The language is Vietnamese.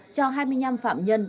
cho hai mươi năm phạm nhân